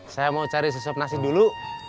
saya mau cari susup nasi dulu